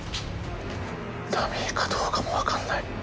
ダミーかどうかも分かんない。